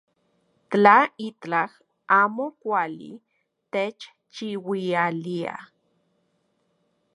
Tla itlaj amo kuali techchiuiliaj.